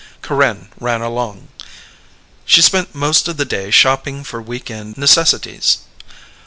Corinne ran along. She spent most of the day shopping for week end necessities.